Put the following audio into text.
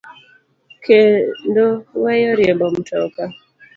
kendo weyo riembo mtoka.